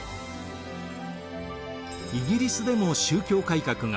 イギリスでも宗教改革が起こります。